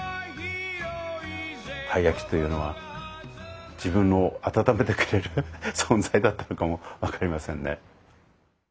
たい焼きというのは自分を温めてくれる存在だったのかもわかりませんね。